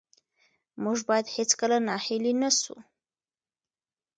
موږ باید هېڅکله ناهیلي نه سو.